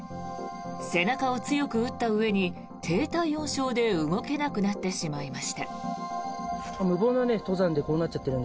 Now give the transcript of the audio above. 背中を強く打ったうえに低体温症で動けなくなってしまいました。